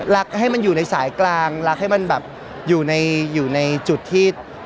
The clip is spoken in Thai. ให้มันอยู่ในสายกลางรักให้มันแบบอยู่ในจุดที่